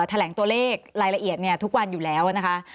แถลงตัวเลขรายละเอียดทุกวันอยู่แล้วนะคะ